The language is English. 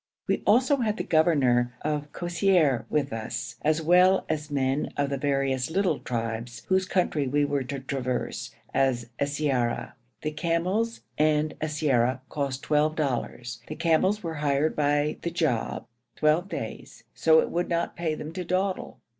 We also had the governor of Kosseir with us, as well as men of the various little tribes whose country we were to traverse, as siyara. The camels and siyara cost twelve dollars. The camels were hired by the job, twelve days, so it would not pay them to dawdle.